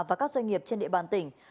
và các doanh nghiệp trên địa bàn tỉnh